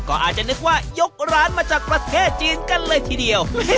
ก็อาจจะนึกว่ายกร้านมาจากประเทศจีนกันเลยทีเดียว